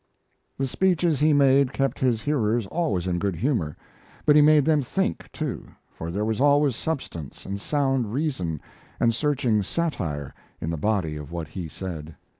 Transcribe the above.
The speeches he made kept his hearers always in good humor; but he made them think, too, for there was always substance and sound reason and searching satire in the body of what he said.